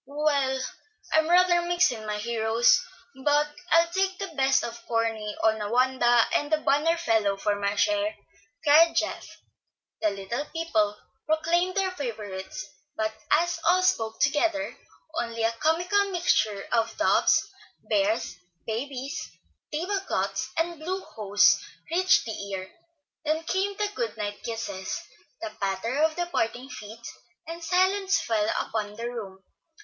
"Well, I'm rather mixed in my heroes, but I'll take the best of Corny, Onawandah, and the banner fellow for my share," cried Geoff. The little people proclaimed their favorites; but as all spoke together, only a comical mixture of doves, bears, babies, table cloths and blue hose reached the ear. Then came the good night kisses, the patter of departing feet, and silence fell upon the room.